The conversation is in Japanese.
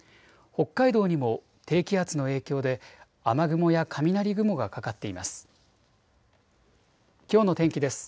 北海道にも低気圧の影響で雨雲や雷雲がかかっています。